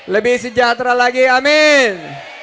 lebih sejahtera lagi amin